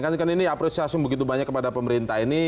karena ini apresiasi begitu banyak kepada pemerintah ini